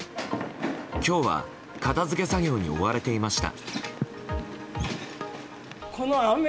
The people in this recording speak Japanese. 今日は片付け作業に追われていました。